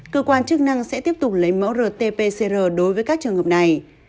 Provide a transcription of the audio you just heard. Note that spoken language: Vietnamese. cơ quan chức năng sẽ tiếp tục lấy mẫu rt pcr đối với các trường hợp này